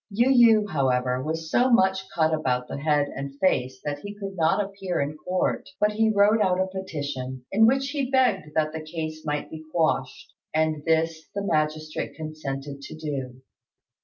Yu yü, however, was so much cut about the head and face that he could not appear in court, but he wrote out a petition, in which he begged that the case might be quashed; and this the magistrate consented to do.